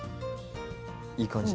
いい感じ。